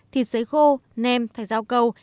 thịt sấy khô nem thạch rau câu